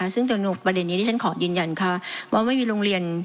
ซึ่งประเด็นนี้ที่ฉันขอยืนยันค่ะว่าไม่มีโรงเรียน